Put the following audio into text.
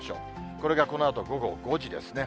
これがこのあと午後５時ですね。